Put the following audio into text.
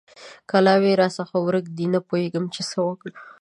د کلاوې سر راڅخه ورک دی؛ نه پوهېږم چې څه وکړم؟!